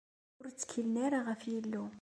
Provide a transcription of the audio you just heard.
Ur ttkilen ara ɣef Yillu.